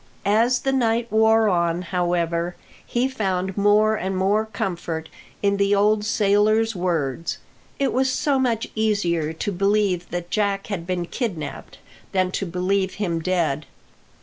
As the night wore on, however, he found more and more comfort in the old sailor's words. It was so much easier to believe that Jack had been kidnapped than to believe him dead.